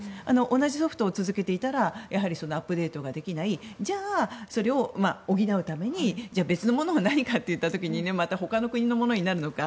同じソフトを続けていたらアップデートができないじゃあ、それを補うために別のものは何かといった時にまたほかの国のものになるのか